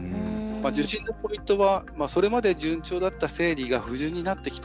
受診のポイントはそれまで順調だった生理が不順になってきた。